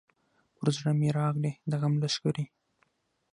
پر زړه مي راغلې د غم لښکري